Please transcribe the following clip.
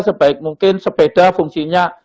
sebaik mungkin sepeda fungsinya